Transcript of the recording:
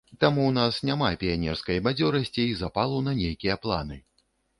Таму ў нас няма піянерскай бадзёрасці і запалу на нейкія планы.